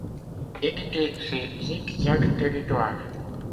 Édité chez Zig Zag Territoires.